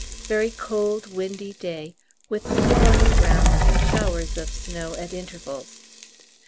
Very cold windy day, with snow on the ground and showers of snow at intervals.